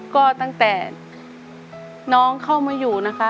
ก็ตั้งแต่น้องเข้ามาอยู่นะคะ